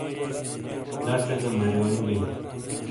لاژے گہ ماریونئ بئے